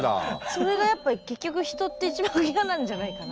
それがやっぱ結局人って一番嫌なんじゃないかな。